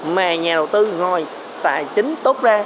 mà nhà đầu tư ngồi tài chính tốt ra